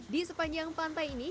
di sepanjang pantai ini